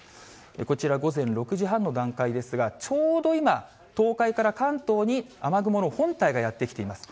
こちら、午前６時半の段階ですが、ちょうど今、東海から関東に雨雲の本体がやって来ています。